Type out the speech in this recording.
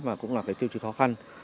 mà cũng là cái tiêu chí khó khăn